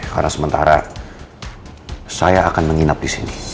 karena sementara saya akan menginap di sini